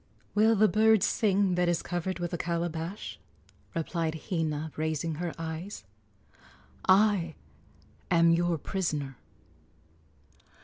"Will the bird sing that is covered with a calabash?" replied Hina, raising her eyes. "I am your prisoner."